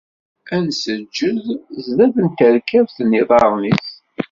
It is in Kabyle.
Ad nseǧǧed sdat terkabt n yiḍarren-is.